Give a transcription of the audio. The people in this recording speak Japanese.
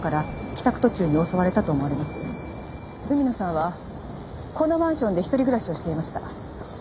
海野さんはこのマンションで一人暮らしをしていました。